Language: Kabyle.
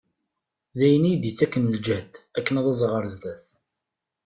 D ayen i yi-d-yettaken lǧehd akken ad aẓeɣ ɣer zzat.